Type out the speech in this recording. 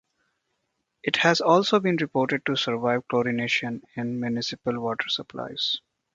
It has also been reported to survive chlorination in municipal water supplies.